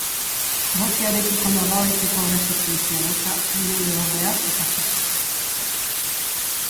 Korrosioarekiko nolabaiteko erresistentzia dauka aire lehorrean eta xaflakorra da.